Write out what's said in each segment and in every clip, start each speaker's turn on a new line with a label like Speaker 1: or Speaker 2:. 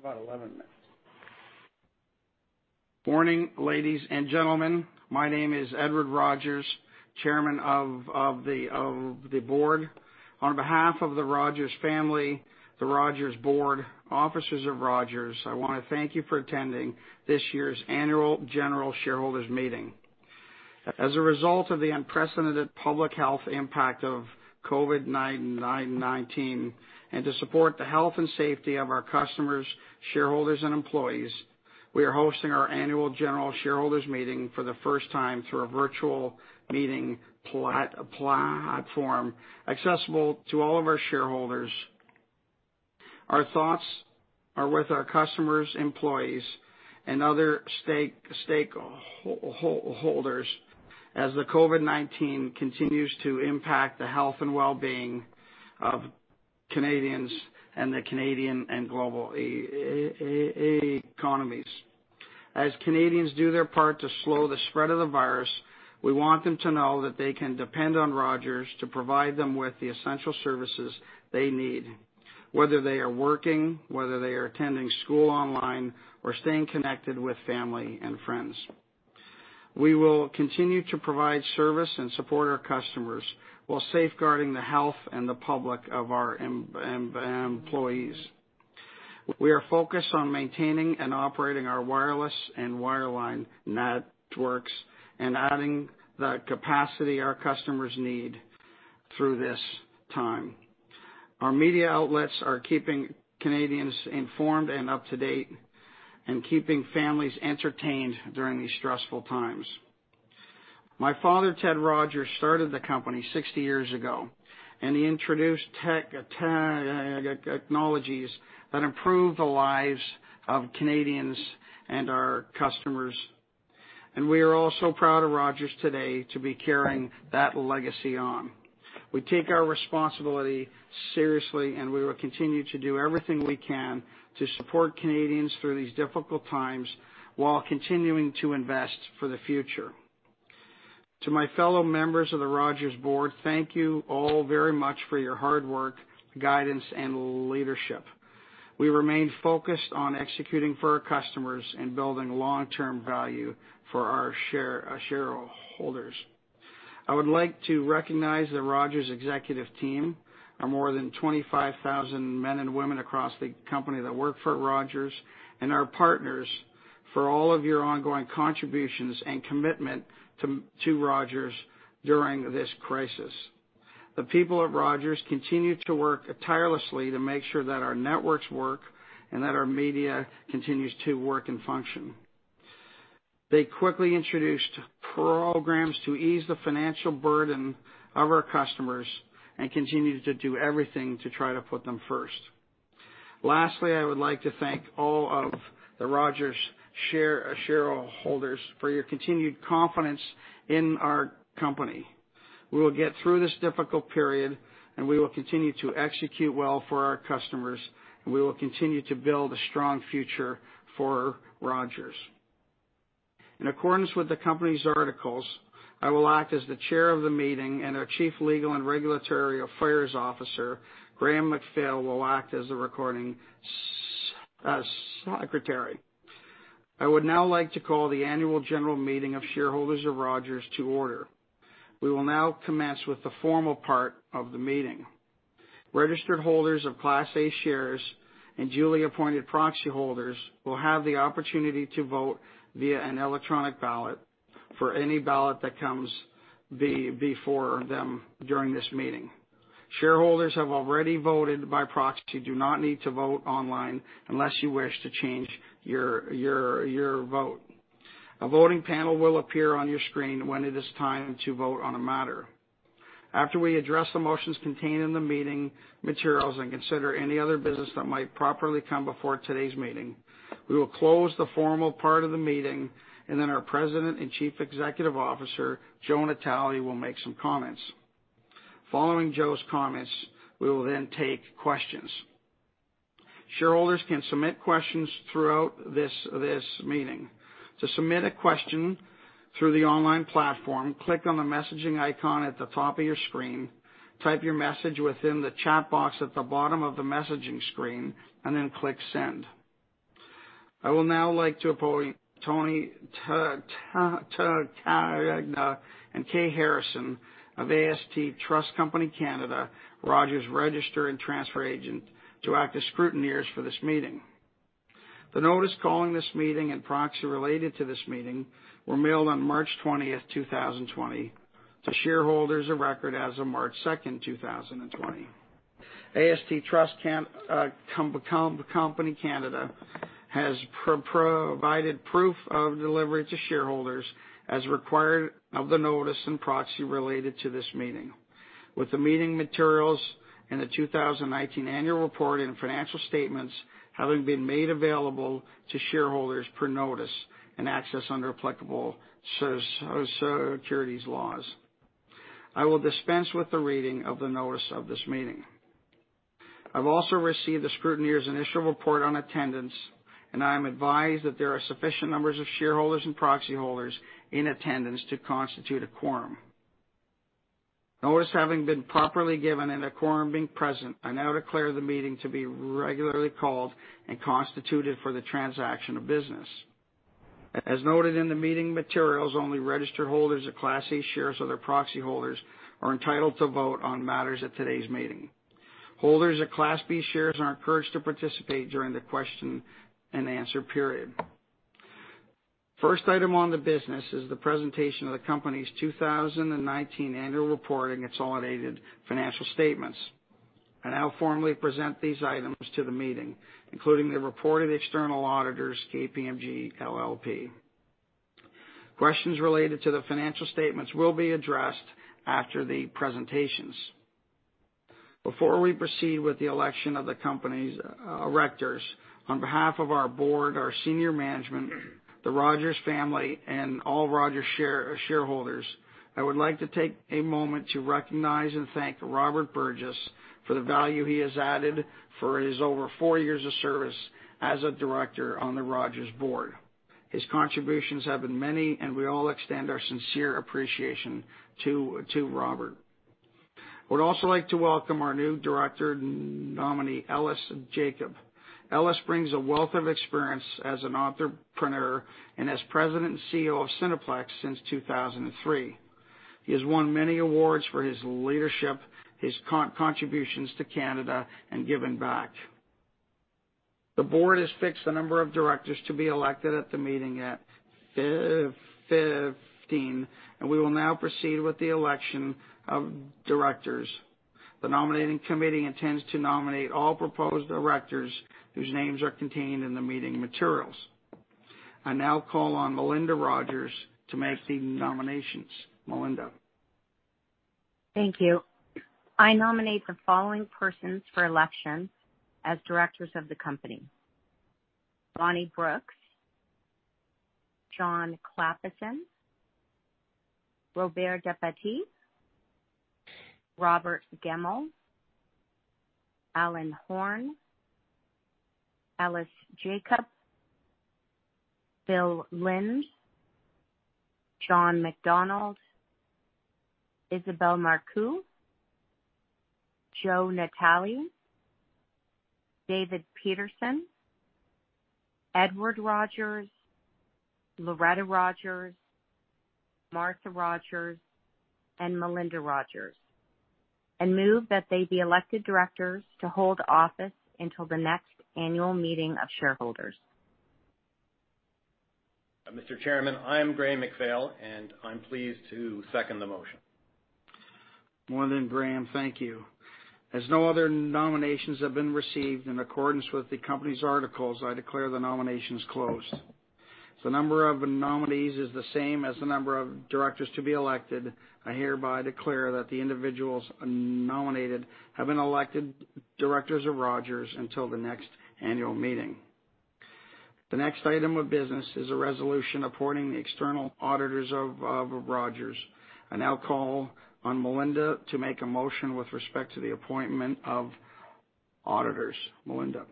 Speaker 1: We've got 11 minutes.
Speaker 2: Good morning, ladies and gentlemen. My name is Edward Rogers, Chairman of the Board. On behalf of the Rogers family, the Rogers Board, Officers of Rogers, I want to thank you for attending this year's Annual General Shareholders Meeting. As a result of the unprecedented public health impact of COVID-19, and to support the health and safety of our customers, shareholders, and employees, we are hosting our Annual General Shareholders Meeting for the first time through a virtual meeting platform accessible to all of our shareholders. Our thoughts are with our customers, employees, and other stakeholders as the COVID-19 continues to impact the health and well-being of Canadians and the Canadian and global economies. As Canadians do their part to slow the spread of the virus, we want them to know that they can depend on Rogers to provide them with the essential services they need, whether they are working, whether they are attending school online, or staying connected with family and friends. We will continue to provide service and support our customers while safeguarding the health and safety of our employees and the public. We are focused on maintaining and operating our wireless and wireline networks and adding the capacity our customers need through this time. Our media outlets are keeping Canadians informed and up to date and keeping families entertained during these stressful times. My father, Ted Rogers, started the company 60 years ago, and he introduced technologies that improved the lives of Canadians and our customers, and we are all so proud of Rogers today to be carrying that legacy on. We take our responsibility seriously, and we will continue to do everything we can to support Canadians through these difficult times while continuing to invest for the future. To my fellow members of the Rogers Board, thank you all very much for your hard work, guidance, and leadership. We remain focused on executing for our customers and building long-term value for our shareholders. I would like to recognize the Rogers Executive Team, our more than 25,000 men and women across the company that work for Rogers, and our partners for all of your ongoing contributions and commitment to Rogers during this crisis. The people at Rogers continue to work tirelessly to make sure that our networks work and that our media continues to work and function. They quickly introduced programs to ease the financial burden of our customers and continue to do everything to try to put them first. Lastly, I would like to thank all of the Rogers shareholders for your continued confidence in our company. We will get through this difficult period, and we will continue to execute well for our customers, and we will continue to build a strong future for Rogers. In accordance with the company's articles, I will act as the Chair of the Meeting, and our Chief Legal and Regulatory Affairs Officer, Graeme McPhail, will act as the Recording Secretary. I would now like to call the Annual General Meeting of Shareholders of Rogers to order. We will now commence with the formal part of the meeting. Registered holders of Class A Shares and duly appointed proxy holders will have the opportunity to vote via an electronic ballot for any ballot that comes before them during this meeting. Shareholders have already voted by proxy. You do not need to vote online unless you wish to change your vote. A voting panel will appear on your screen when it is time to vote on a matter. After we address the motions contained in the meeting materials and consider any other business that might properly come before today's meeting, we will close the formal part of the meeting, and then our President and Chief Executive Officer, Joe Natale, will make some comments. Following Joe's comments, we will then take questions. Shareholders can submit questions throughout this meeting. To submit a question through the online platform, click on the messaging icon at the top of your screen, type your message within the chat box at the bottom of the messaging screen, and then click Send. I would now like to appoint Tony Tacchino and Caye Harrison of AST Trust Company Canada, Rogers Registrar and Transfer Agent, to act as scrutineers for this meeting. The notice calling this meeting and proxy related to this meeting were mailed on March 20th, 2020, to shareholders of record as of March 2nd, 2020. AST Trust Company Canada has provided proof of delivery to shareholders as required of the notice and proxy related to this meeting, with the meeting materials and the 2019 annual report and financial statements having been made available to shareholders per notice and access under applicable securities laws. I will dispense with the reading of the notice of this meeting. I've also received the scrutineer's initial report on attendance, and I am advised that there are sufficient numbers of shareholders and proxy holders in attendance to constitute a quorum. Notice having been properly given and a quorum being present, I now declare the meeting to be regularly called and constituted for the transaction of business. As noted in the meeting materials, only registered holders of Class A shares or their proxy holders are entitled to vote on matters at today's meeting. Holders of Class B shares are encouraged to participate during the question and answer period. First item on the business is the presentation of the company's 2019 annual report and consolidated financial statements. I now formally present these items to the meeting, including the reported external auditors, KPMG LLP. Questions related to the financial statements will be addressed after the presentations. Before we proceed with the election of the company's directors, on behalf of our board, our senior management, the Rogers family, and all Rogers shareholders, I would like to take a moment to recognize and thank Robert Burgess for the value he has added for his over four years of service as a director on the Rogers Board. His contributions have been many, and we all extend our sincere appreciation to Robert. I would also like to welcome our new director, nominee Ellis Jacob. Ellis brings a wealth of experience as an entrepreneur and as President and CEO of Cineplex since 2003. He has won many awards for his leadership, his contributions to Canada, and given back. The board has fixed the number of directors to be elected at the meeting at 15, and we will now proceed with the election of directors. The nominating committee intends to nominate all proposed directors whose names are contained in the meeting materials. I now call on Melinda Rogers to make the nominations. Melinda.
Speaker 3: Thank you. I nominate the following persons for election as directors of the company: Bonnie Brooks, John Clappison, Robert Dépatie, Robert Gemmell, Alan Horn, Ellis Jacob, Bill Linton, John MacDonald, Isabelle Marcoux, Joe Natale, David Peterson, Edward Rogers, Loretta Rogers, Martha Rogers, and Melinda Rogers, and move that they be elected directors to hold office until the next annual meeting of shareholders.
Speaker 4: Mr. Chairman, I am Graeme McPhail, and I'm pleased to second the motion.
Speaker 2: Melinda and Graeme, thank you. As no other nominations have been received in accordance with the company's articles, I declare the nominations closed. The number of nominees is the same as the number of directors to be elected. I hereby declare that the individuals nominated have been elected directors of Rogers until the next annual meeting. The next item of business is a resolution appointing the external auditors of Rogers. I now call on Melinda to make a motion with respect to the appointment of auditors. Melinda.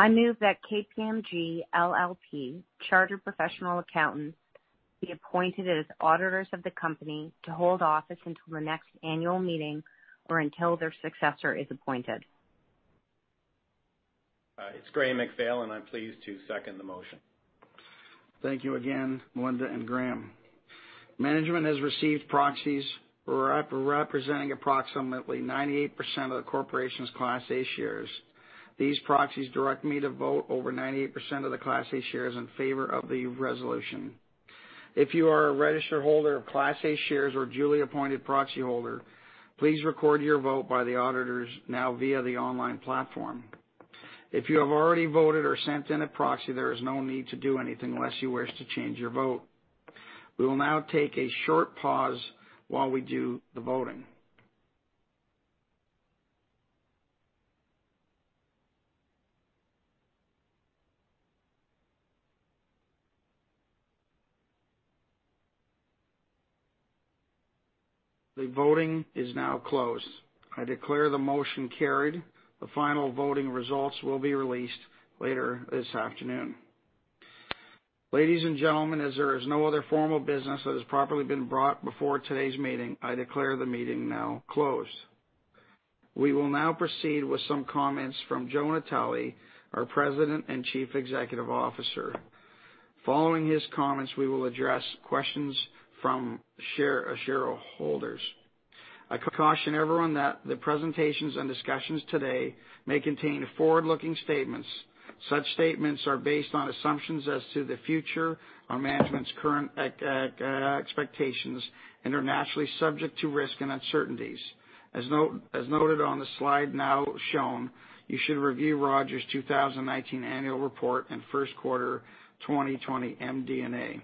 Speaker 3: I move that KPMG LLP, Chartered Professional Accountants, be appointed as auditors of the company to hold office until the next annual meeting or until their successor is appointed.
Speaker 4: It's Graeme McPhail, and I'm pleased to second the motion.
Speaker 2: Thank you again, Melinda and Graeme. Management has received proxies representing approximately 98% of the corporation's Class A shares. These proxies direct me to vote over 98% of the Class A shares in favor of the resolution. If you are a registered holder of Class A shares or duly appointed proxy holder, please record your vote by the auditors now via the online platform. If you have already voted or sent in a proxy, there is no need to do anything unless you wish to change your vote. We will now take a short pause while we do the voting. The voting is now closed. I declare the motion carried. The final voting results will be released later this afternoon. Ladies and gentlemen, as there is no other formal business that has properly been brought before today's meeting, I declare the meeting now closed. We will now proceed with some comments from Joe Natale, our President and Chief Executive Officer. Following his comments, we will address questions from shareholders. I caution everyone that the presentations and discussions today may contain forward-looking statements. Such statements are based on assumptions as to the future, our management's current expectations, and are naturally subject to risk and uncertainties. As noted on the slide now shown, you should review Rogers' 2019 annual report and first quarter 2020 MD&A.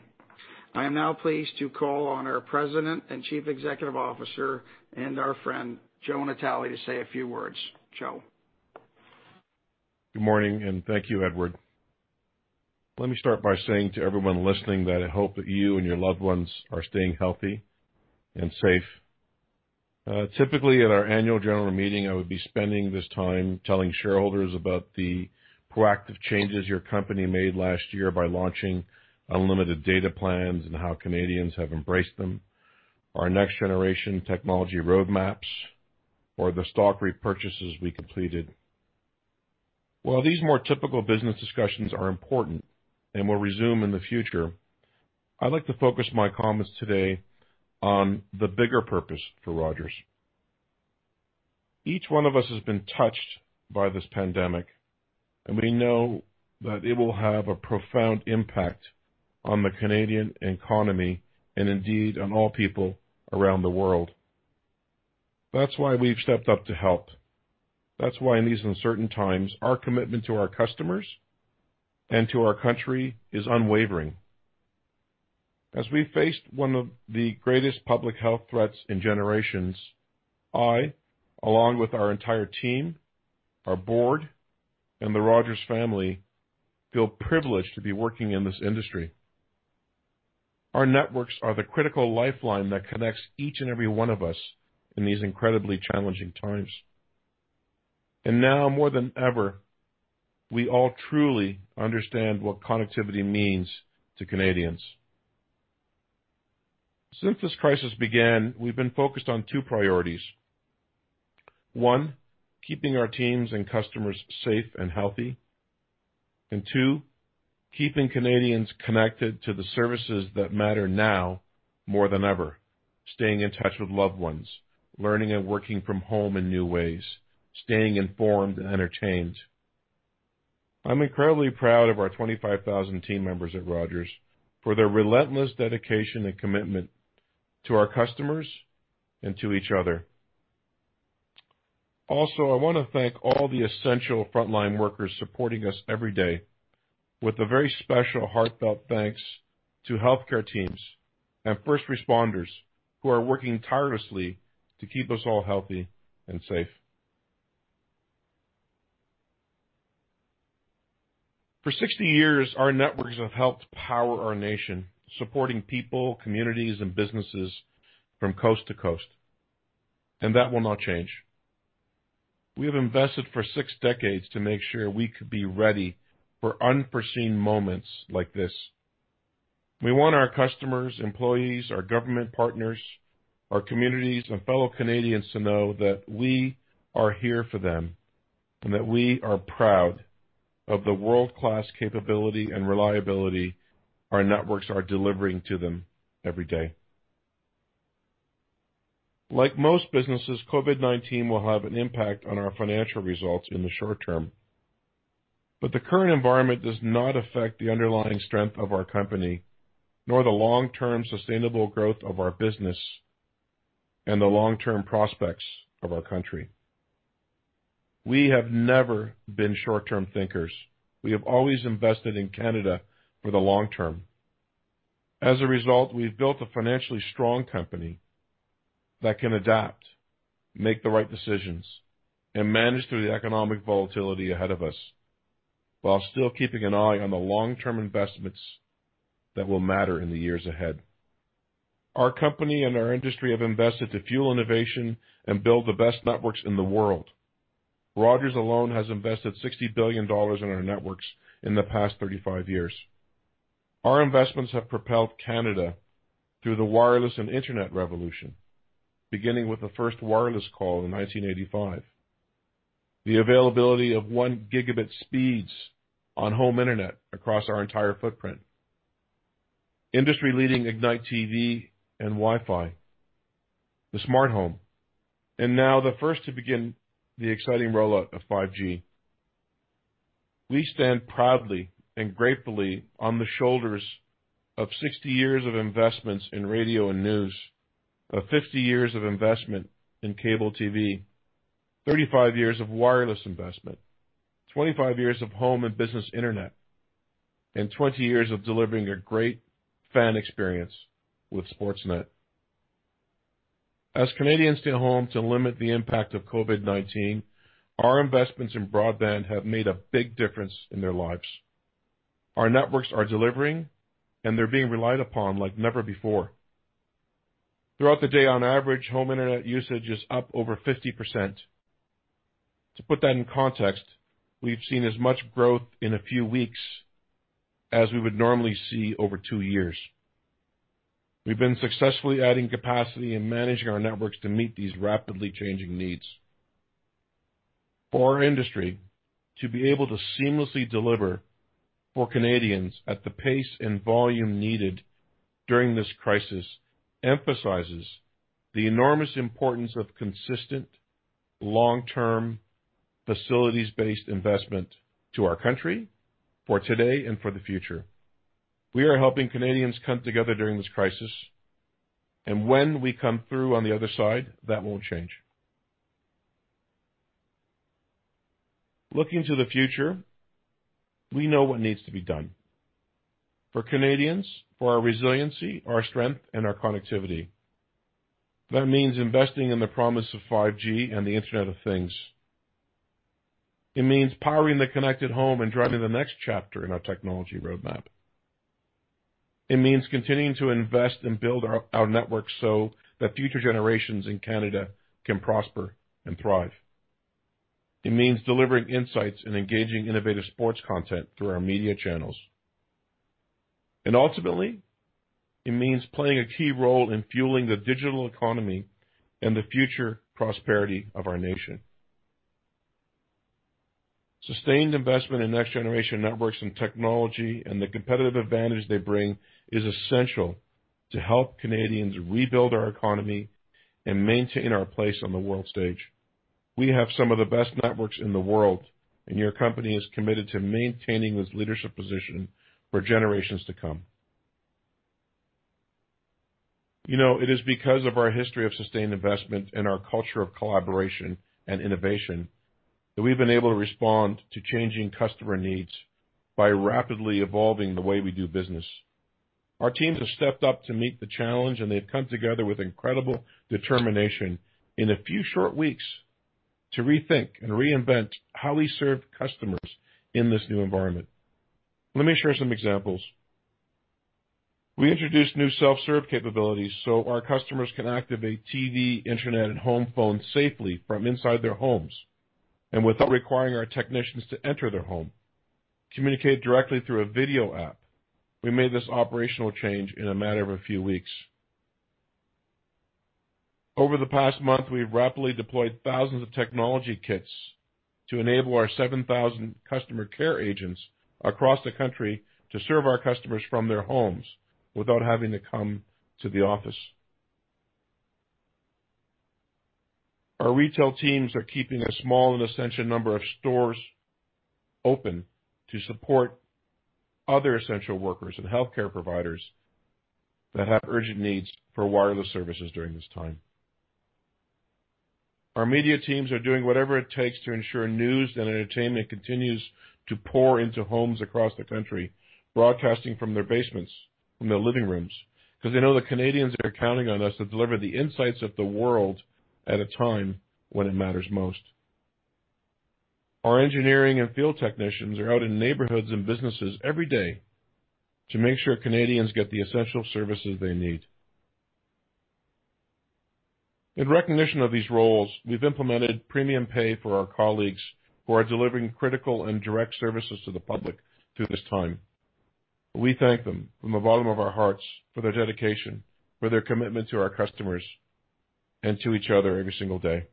Speaker 2: I am now pleased to call on our President and Chief Executive Officer and our friend Joe Natale to say a few words. Joe.
Speaker 5: Good morning, and thank you, Edward. Let me start by saying to everyone listening that I hope that you and your loved ones are staying healthy and safe. Typically, at our annual general meeting, I would be spending this time telling shareholders about the proactive changes your company made last year by launching unlimited data plans and how Canadians have embraced them, our next generation technology roadmaps, or the stock repurchases we completed. While these more typical business discussions are important and will resume in the future, I'd like to focus my comments today on the bigger purpose for Rogers. Each one of us has been touched by this pandemic, and we know that it will have a profound impact on the Canadian economy and indeed on all people around the world. That's why we've stepped up to help. That's why in these uncertain times, our commitment to our customers and to our country is unwavering. As we face one of the greatest public health threats in generations, I, along with our entire team, our board, and the Rogers family, feel privileged to be working in this industry. Our networks are the critical lifeline that connects each and every one of us in these incredibly challenging times. And now, more than ever, we all truly understand what connectivity means to Canadians. Since this crisis began, we've been focused on two priorities: one, keeping our teams and customers safe and healthy; and two, keeping Canadians connected to the services that matter now more than ever, staying in touch with loved ones, learning and working from home in new ways, staying informed and entertained. I'm incredibly proud of our 25,000 team members at Rogers for their relentless dedication and commitment to our customers and to each other. Also, I want to thank all the essential frontline workers supporting us every day, with a very special heartfelt thanks to healthcare teams and first responders who are working tirelessly to keep us all healthy and safe. For 60 years, our networks have helped power our nation, supporting people, communities, and businesses from coast to coast, and that will not change. We have invested for six decades to make sure we could be ready for unforeseen moments like this. We want our customers, employees, our government partners, our communities, and fellow Canadians to know that we are here for them and that we are proud of the world-class capability and reliability our networks are delivering to them every day. Like most businesses, COVID-19 will have an impact on our financial results in the short term, but the current environment does not affect the underlying strength of our company, nor the long-term sustainable growth of our business and the long-term prospects of our country. We have never been short-term thinkers. We have always invested in Canada for the long term. As a result, we've built a financially strong company that can adapt, make the right decisions, and manage through the economic volatility ahead of us while still keeping an eye on the long-term investments that will matter in the years ahead. Our company and our industry have invested to fuel innovation and build the best networks in the world. Rogers alone has invested 60 billion dollars in our networks in the past 35 years. Our investments have propelled Canada through the wireless and internet revolution, beginning with the first wireless call in 1985, the availability of 1 Gb speeds on home internet across our entire footprint, industry-leading Ignite TV and Wi-Fi, the smart home, and now the first to begin the exciting rollout of 5G. We stand proudly and gratefully on the shoulders of 60 years of investments in radio and news, of 50 years of investment in cable TV, 35 years of wireless investment, 25 years of home and business internet, and 20 years of delivering a great fan experience with Sportsnet. As Canadians stay home to limit the impact of COVID-19, our investments in broadband have made a big difference in their lives. Our networks are delivering, and they're being relied upon like never before. Throughout the day, on average, home internet usage is up over 50%. To put that in context, we've seen as much growth in a few weeks as we would normally see over two years. We've been successfully adding capacity and managing our networks to meet these rapidly changing needs. For our industry, to be able to seamlessly deliver for Canadians at the pace and volume needed during this crisis emphasizes the enormous importance of consistent, long-term, facilities-based investment to our country for today and for the future. We are helping Canadians come together during this crisis, and when we come through on the other side, that won't change. Looking to the future, we know what needs to be done for Canadians, for our resiliency, our strength, and our connectivity. That means investing in the promise of 5G and the Internet of Things. It means powering the connected home and driving the next chapter in our technology roadmap. It means continuing to invest and build our networks so that future generations in Canada can prosper and thrive. It means delivering insights and engaging innovative sports content through our media channels. Ultimately, it means playing a key role in fueling the digital economy and the future prosperity of our nation. Sustained investment in next-generation networks and technology and the competitive advantage they bring is essential to help Canadians rebuild our economy and maintain our place on the world stage. We have some of the best networks in the world, and your company is committed to maintaining this leadership position for generations to come. It is because of our history of sustained investment and our culture of collaboration and innovation that we've been able to respond to changing customer needs by rapidly evolving the way we do business. Our teams have stepped up to meet the challenge, and they've come together with incredible determination in a few short weeks to rethink and reinvent how we serve customers in this new environment. Let me share some examples. We introduced new self-serve capabilities so our customers can activate TV, internet, and home phones safely from inside their homes and without requiring our technicians to enter their home, communicate directly through a video app. We made this operational change in a matter of a few weeks. Over the past month, we've rapidly deployed thousands of technology kits to enable our 7,000 customer care agents across the country to serve our customers from their homes without having to come to the office. Our retail teams are keeping a small and essential number of stores open to support other essential workers and healthcare providers that have urgent needs for wireless services during this time. Our media teams are doing whatever it takes to ensure news and entertainment continues to pour into homes across the country, broadcasting from their basements, from their living rooms, because they know the Canadians are counting on us to deliver the insights of the world at a time when it matters most. Our engineering and field technicians are out in neighborhoods and businesses every day to make sure Canadians get the essential services they need. In recognition of these roles, we've implemented premium pay for our colleagues who are delivering critical and direct services to the public through this time. We thank them from the bottom of our hearts for their dedication, for their commitment to our customers, and to each other every single day.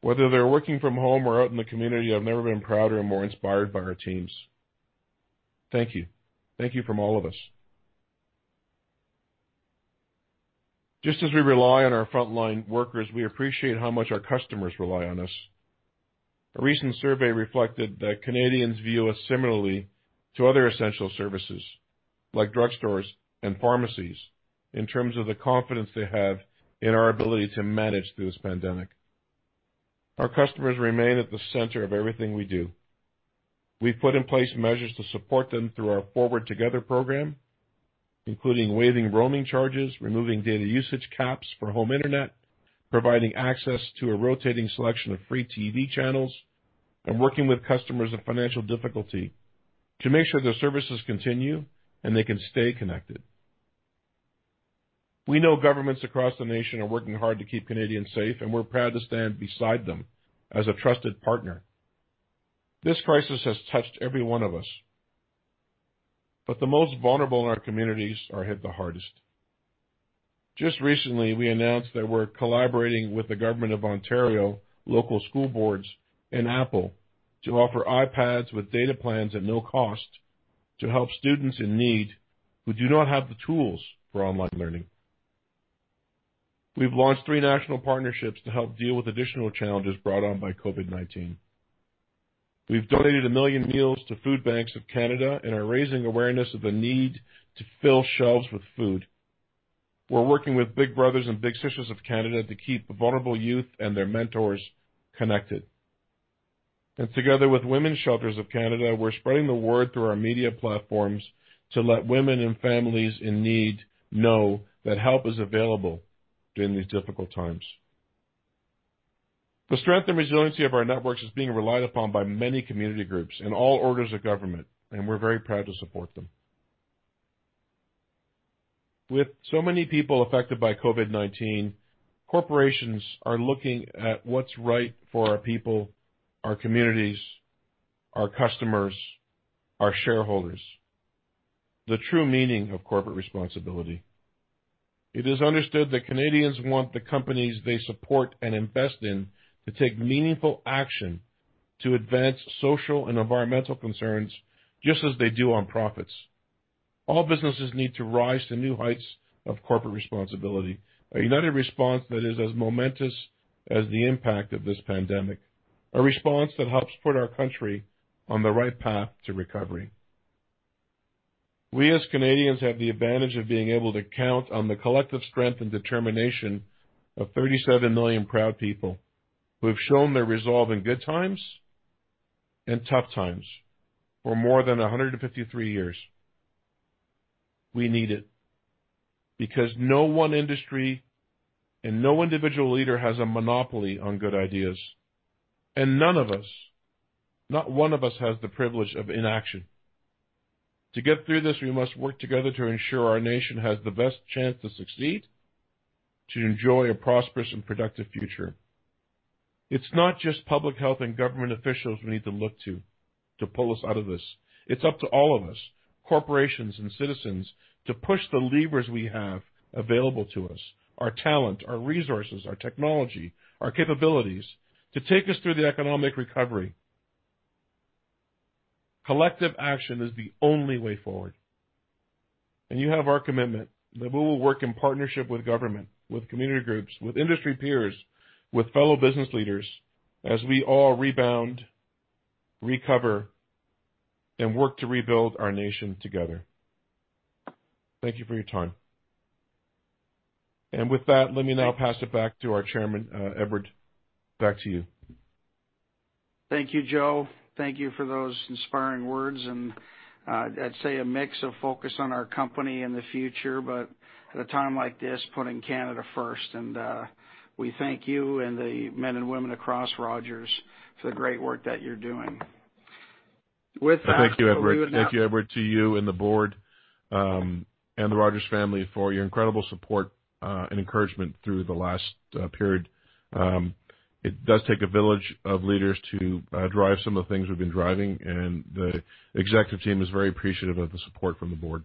Speaker 5: Whether they're working from home or out in the community, I've never been prouder and more inspired by our teams. Thank you. Thank you from all of us. Just as we rely on our frontline workers, we appreciate how much our customers rely on us. A recent survey reflected that Canadians view us similarly to other essential services like drugstores and pharmacies in terms of the confidence they have in our ability to manage through this pandemic. Our customers remain at the center of everything we do. We've put in place measures to support them through our Forward Together program, including waiving roaming charges, removing data usage caps for home internet, providing access to a rotating selection of free TV channels, and working with customers in financial difficulty to make sure their services continue and they can stay connected. We know governments across the nation are working hard to keep Canadians safe, and we're proud to stand beside them as a trusted partner. This crisis has touched every one of us, but the most vulnerable in our communities are hit the hardest. Just recently, we announced that we're collaborating with the Government of Ontario, local school boards, and Apple to offer iPads with data plans at no cost to help students in need who do not have the tools for online learning. We've launched three national partnerships to help deal with additional challenges brought on by COVID-19. We've donated a million meals to Food Banks Canada and are raising awareness of the need to fill shelves with food. We're working with Big Brothers Big Sisters of Canada to keep vulnerable youth and their mentors connected, and together with Women's Shelters Canada, we're spreading the word through our media platforms to let women and families in need know that help is available during these difficult times. The strength and resiliency of our networks is being relied upon by many community groups in all orders of government, and we're very proud to support them. With so many people affected by COVID-19, corporations are looking at what's right for our people, our communities, our customers, our shareholders, the true meaning of corporate responsibility. It is understood that Canadians want the companies they support and invest in to take meaningful action to advance social and environmental concerns, just as they do on profits. All businesses need to rise to new heights of corporate responsibility, a united response that is as momentous as the impact of this pandemic, a response that helps put our country on the right path to recovery. We, as Canadians, have the advantage of being able to count on the collective strength and determination of 37 million proud people who have shown their resolve in good times and tough times for more than 153 years. We need it because no one industry and no individual leader has a monopoly on good ideas, and none of us, not one of us, has the privilege of inaction. To get through this, we must work together to ensure our nation has the best chance to succeed, to enjoy a prosperous and productive future. It's not just public health and government officials we need to look to to pull us out of this. It's up to all of us, corporations and citizens, to push the levers we have available to us, our talent, our resources, our technology, our capabilities, to take us through the economic recovery. Collective action is the only way forward. And you have our commitment that we will work in partnership with government, with community groups, with industry peers, with fellow business leaders as we all rebound, recover, and work to rebuild our nation together. Thank you for your time. And with that, let me now pass it back to our Chairman, Edward. Back to you.
Speaker 2: Thank you, Joe. Thank you for those inspiring words. I'd say a mix of focus on our company and the future, but at a time like this, putting Canada first. We thank you and the men and women across Rogers for the great work that you're doing. With that, we would like.
Speaker 5: Thank you, Edward. Thank you, Edward, to you and the board and the Rogers family for your incredible support and encouragement through the last period. It does take a village of leaders to drive some of the things we've been driving, and the executive team is very appreciative of the support from the board.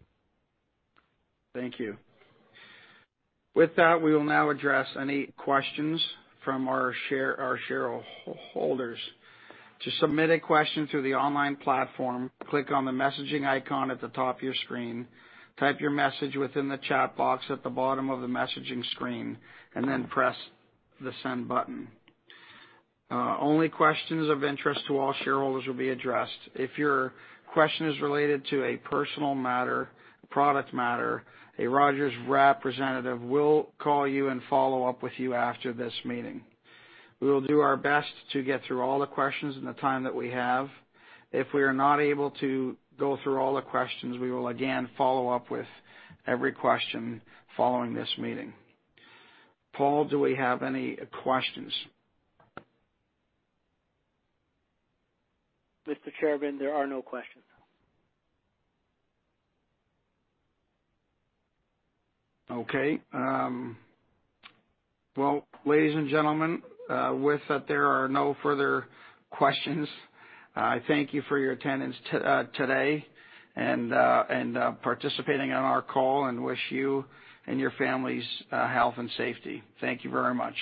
Speaker 2: Thank you. With that, we will now address any questions from our shareholders. To submit a question through the online platform, click on the messaging icon at the top of your screen, type your message within the chat box at the bottom of the messaging screen, and then press the send button. Only questions of interest to all shareholders will be addressed. If your question is related to a personal matter, product matter, a Rogers representative will call you and follow up with you after this meeting. We will do our best to get through all the questions in the time that we have. If we are not able to go through all the questions, we will again follow up with every question following this meeting. Paul, do we have any questions?
Speaker 6: Mr. Chairman, there are no questions.
Speaker 2: Okay. Well, ladies and gentlemen, with that, there are no further questions. I thank you for your attendance today and participating in our call and wish you and your families health and safety. Thank you very much.